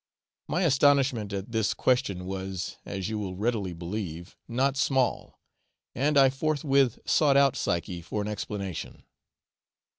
My astonishment at this question was, as you will readily believe, not small, and I forthwith sought out Psyche for an explanation.